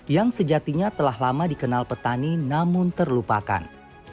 yang sejatinya telah lama dikenal petani namun terlupakan